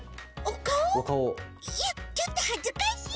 いやちょっとはずかしい！